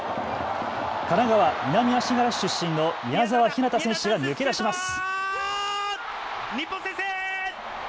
神奈川南足柄市出身の宮澤ひなた選手が抜け出します。